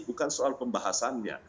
bukan soal pembahasannya